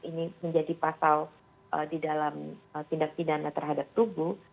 ini menjadi pasal di dalam tindak pidana terhadap tubuh